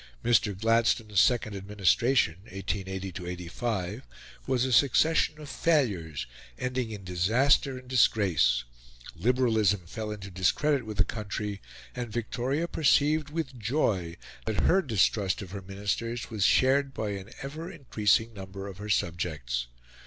Mr. Gladstone's second administration (1880 85) was a succession of failures, ending in disaster and disgrace; liberalism fell into discredit with the country, and Victoria perceived with joy that her distrust of her Ministers was shared by an ever increasing number of her subjects.